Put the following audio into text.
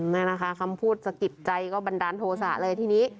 นี่นะคะคำพูดสะกิดใจก็บันดาลโทษะเลยทีนี้